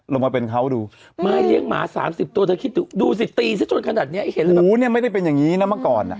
ลงมาเป็นเขาดูไม่เลี้ยงหมาสามสิบตัวเธอคิดดูสิตีซะจนขนาดเนี้ยเห็นเลยหูเนี่ยไม่ได้เป็นอย่างนี้นะเมื่อก่อนอ่ะ